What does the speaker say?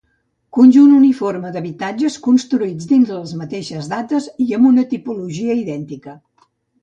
Conjunt uniforme d'habitatges construïts dins les mateixes dates i amb una tipologia idèntica.